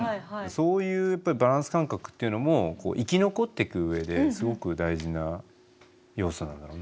そういうやっぱりバランス感覚っていうのも生き残っていくうえですごく大事な要素なんだろうなと思いますけど。